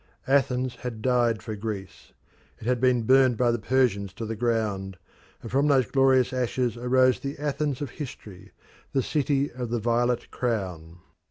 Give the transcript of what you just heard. Athens had died for Greece; it had been burnt by the Persians to the ground, and from those glorious ashes arose the Athens of history the City of the Violet Crown.